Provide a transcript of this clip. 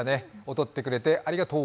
踊ってくれて、ありがとう。